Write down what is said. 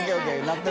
納得。